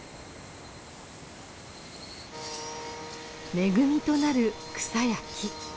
恵みとなる草や木。